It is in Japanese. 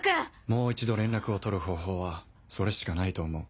もう一度連絡を取る方法はそれしかないと思う。